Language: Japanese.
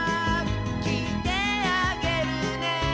「きいてあげるね」